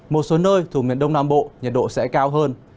một số nơi thuộc miền đông nam bộ nhiệt độ sẽ cao hơn